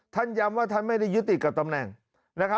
ท่านย้ำว่าท่านไม่ได้ยึดติดกับตำแหน่ง